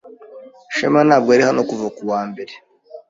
Shema ntabwo ari hano kuva kuwa mbere.